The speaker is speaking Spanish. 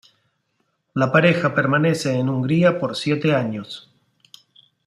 La pareja permanece en Hungría por siete años.